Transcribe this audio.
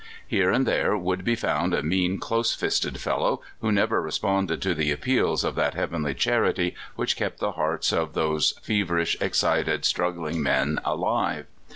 Here a Lid there would be found a mean, close fisted fel (168) California Traits. 169 low, \Nho never responded to the appeals of that heavenly charity which kept the hearts of those feverish, excited, struggling men alive.